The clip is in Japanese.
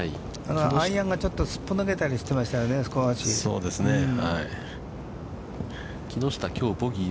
アイアンが、ちょっとすっぽ抜けたりしていましたよね、少し。